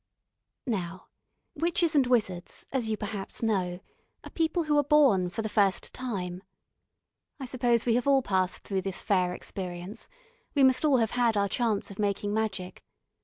Now witches and wizards, as you perhaps know, are people who are born for the first time. I suppose we have all passed through this fair experience, we must all have had our chance of making magic.